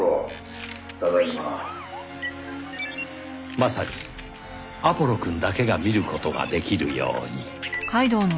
まさにアポロくんだけが見る事ができるように。